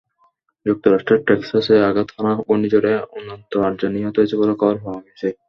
যুক্তরাষ্ট্রের টেক্সাসে আঘাত হানা ঘূর্ণিঝড়ে অন্তত আটজন নিহত হয়েছে বলে খবর পাওয়া গেছে।